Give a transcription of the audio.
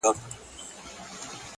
زندانونو ته خپلوان یې وه لېږلي!!